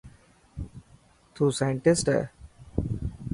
تون سانٽسٽ هي.